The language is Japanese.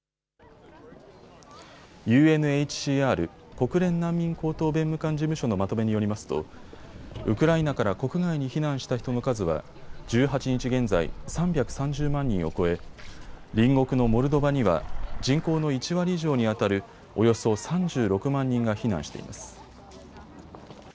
ＵＮＨＣＲ・国連難民高等弁務官事務所のまとめによりますとウクライナから国外に避難した人の数は１８日現在、３３０万人を超え隣国のモルドバには人口の１割以上にあたるおよそ３６万人が避難しています。